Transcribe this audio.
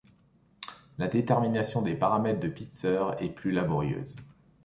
La détermination des paramètres de Pitzer est plus laborieuse.